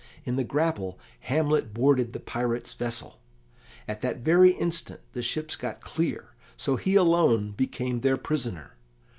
In the grapple Hamlet boarded the pirates' vessel. At that very instant the ships got clear, so he alone became their prisoner.